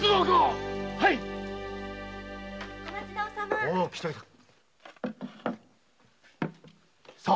お待ちどうさま。